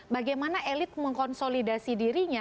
bagaimana elit mengkonsolidasi dirinya